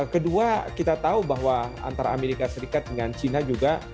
kedua kita tahu bahwa antara amerika serikat dengan cina juga